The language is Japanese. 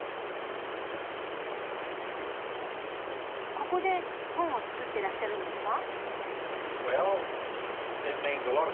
ここで本を作ってらっしゃるんですか？